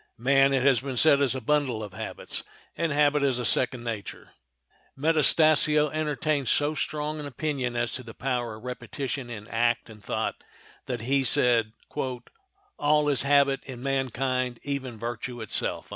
Man, it has been said, is a bundle of habits, and habit is a second nature. Metastasio entertained so strong an opinion as to the power of repetition in act and thought that he said, "All is habit in mankind, even virtue itself."